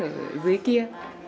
ở dưới kia